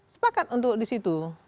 sepakat untuk disitu